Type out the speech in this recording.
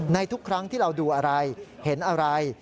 ทุกครั้งที่เราดูอะไรเห็นอะไร